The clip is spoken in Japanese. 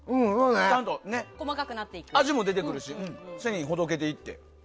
味も出てくるし繊維がほどけていって。